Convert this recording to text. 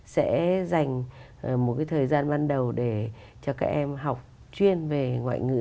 sẽ dành một thời gian ban đầu để cho các em học chuyên về ngoại ngữ